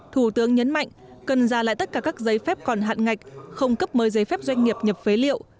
thủ tướng nhấn mạnh cần ra lại tất cả các giấy phép còn hạn ngạch không cấp mới giấy phép doanh nghiệp nhập phế liệu